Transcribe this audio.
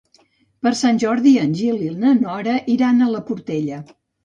Per Sant Jordi en Gil i na Nora iran a la Portella.